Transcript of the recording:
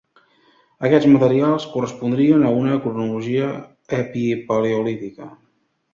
Aquests materials correspondrien a una cronologia epipaleolítica.